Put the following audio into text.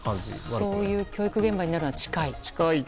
そういう教育現場になる日も近いと。